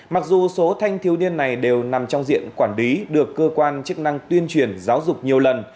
mặc dù số thanh thiếu niên này đều nằm trong diện quản lý được cơ quan chức năng tuyên truyền giáo dục nhiều lần